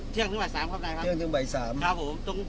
จอหอ